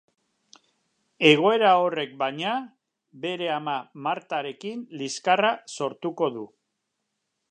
Egoera horrek baina, bere ama Martarekin liskarra sortuko du.